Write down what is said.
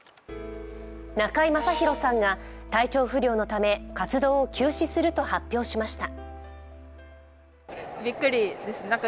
中居正広さんが体調不良のため活動を休止すると発表しました。